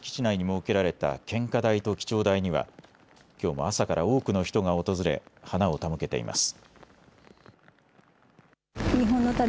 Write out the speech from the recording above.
一方、東京永田町の自民党本部の敷地内に設けられた献花台と記帳台にはきょうも朝から多くの人が訪れ花を手向けています。